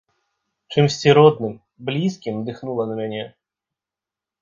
Чымсьці родным, блізкім дыхнула на мяне.